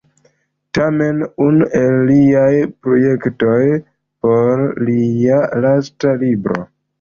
Tamen, unu el liaj projektoj por lia lasta libro.